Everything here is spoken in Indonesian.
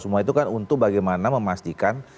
semua itu kan untuk bagaimana memastikan